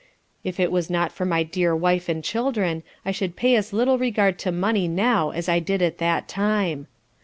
If it was not for my dear Wife and Children I should pay as little regard to money now as I did at that time.